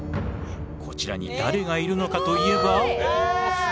こちらに誰がいるのかといえば。